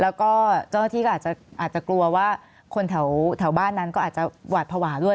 แล้วก็เจ้าหน้าที่ก็อาจจะกลัวว่าคนแถวบ้านนั้นก็อาจจะหวาดภาวะด้วย